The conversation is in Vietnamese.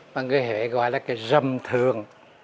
mà người huế gọi là cái râm thường